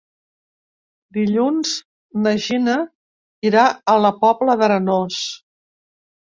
Dilluns na Gina irà a la Pobla d'Arenós.